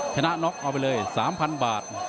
ชนะน็อกเอาไปเลย๓๐๐๐บาท